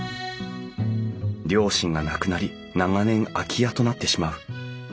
両親が亡くなり長年空き家となってしまう。